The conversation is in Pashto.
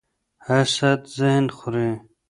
حسد ذهن خوري